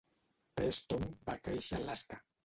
Preston va créixer a Alaska.